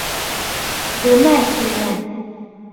Бына һиңә!